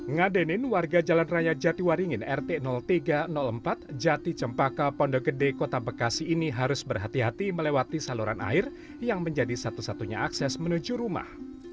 nga denin warga jalan raya jatiwaringin rt tiga ratus empat jati cempaka pondok gede kota bekasi ini harus berhati hati melewati saluran air yang menjadi satu satunya akses menuju rumah